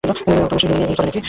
আবার তোমার সেই নুরনগরি চাল?